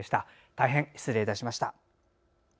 大変失礼いたしました。